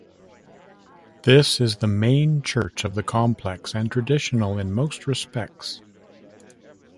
This is the main church of the complex, and traditional in most respects.